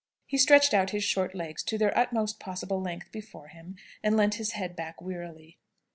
He stretched out his short legs to their utmost possible length before him, and leant his head back wearily.